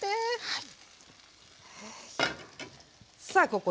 はい。